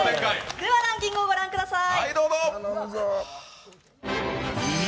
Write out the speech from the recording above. ではランキングをご覧ください。